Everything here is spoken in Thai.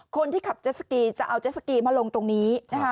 คนที่ขับแจ๊สกี้จะเอาแจ๊สกี้มาลงตรงนี้